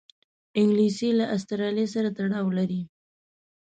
انګلیسي له آسټرالیا سره تړاو لري